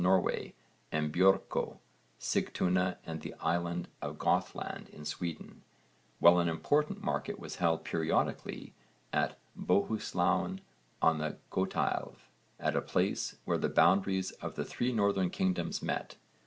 Norway, and Björkö, Sigtuna and the island of Gothland in Sweden, while an important market was held periodically at Bohuslän on the Götaelv, at a place were the boundaries of the three northern kingdoms met.